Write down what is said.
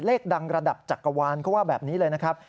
เลขดังระดับจักรวาลเขาว่าแบบนี้เลยนะครับ